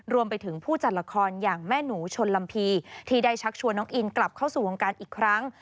รวมไปถึงผู้จัดละครอย่างแม่หนูชนลำพีที่ได้ชักชวนน้องอินกลับเข้าสู่วงการอีกครั้ง